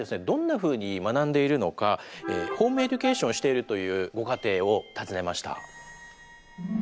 どんなふうに学んでいるのかホームエデュケーションをしているというご家庭を訪ねました。